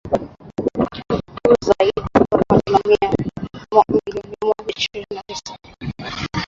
juu zaidi kutoka dola milioni ishirini na tisa